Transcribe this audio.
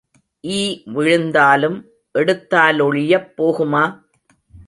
ஈ விழுந்தாலும் எடுத்தாலொழியப் போகுமா?